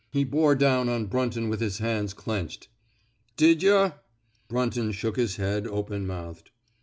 He bore down on Brunton with his hands clenched. '' Did yuh? " Brunton shook his head, open mouthed.